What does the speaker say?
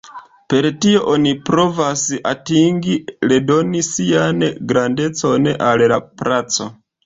Per tio oni provas atingi redoni 'sian grandecon' al la placo.